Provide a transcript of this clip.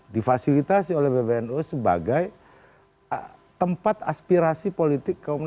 difasilitasi oleh pbnu sebagai tempat aspirasi politik